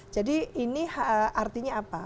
jadi ini artinya apa